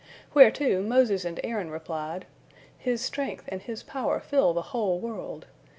Whereto Moses and Aaron replied: "His strength and His power fill the whole world.